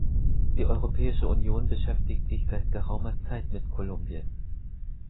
Die Europäische Union beschäftigt sich seit geraumer Zeit mit Kolumbien.